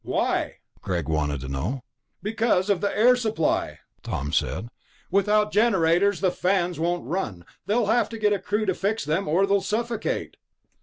"Why?" Greg wanted to know. "Because of the air supply," Tom said. "Without the generators, the fans won't run. They'll have to get a crew to fix them or they'll suffocate."